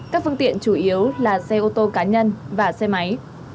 các phương tiện chủ yếu là xe ô tô cá nhân và xe máy